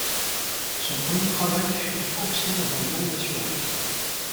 Son premier travail fut coursier dans un bureau d’assurances.